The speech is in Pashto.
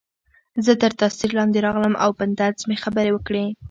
زه تر تاثیر لاندې راغلم او په طنز مې خبرې وکړې